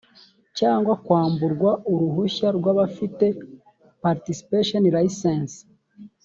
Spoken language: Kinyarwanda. cyangwa kwamburwa uruhushya rw abafite participation license